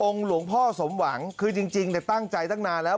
หลวงพ่อสมหวังคือจริงตั้งใจตั้งนานแล้ว